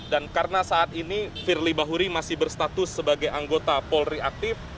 dan karena saat ini firly bahuri masih berstatus sebagai anggota polri aktif